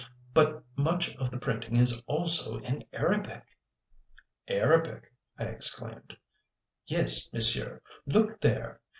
But much of the printing is also in Arabic." "Arabic!" I exclaimed. "Yes, monsieur, look there."